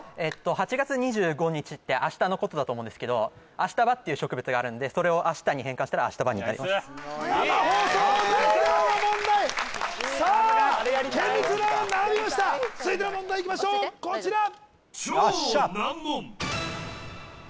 ８月２５日って明日のことだと思うんですけどアシタバっていう植物があるんでそれを「明日」に変化したらアシタバになります生放送ならではの問題さあ県立浦和並びました続いての問題いきましょうこちらよっしゃ！